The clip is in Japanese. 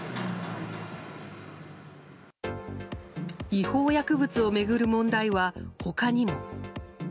違法薬物を巡る問題は他にも。